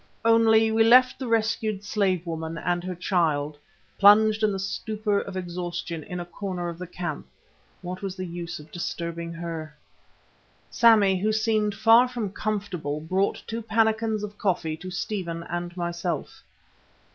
Only we left the rescued slave woman and her child plunged in the stupor of exhaustion in a corner of the camp. What was the use of disturbing her? Sammy, who seemed far from comfortable, brought two pannikins of coffee to Stephen and myself.